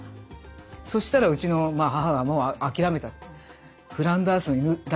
そしたらうちの母がもう諦めたって。